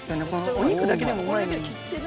お肉だけでもうまいのに。